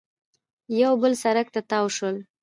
یو بل سړک ته تاو شول